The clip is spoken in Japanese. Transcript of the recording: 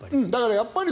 やっぱり。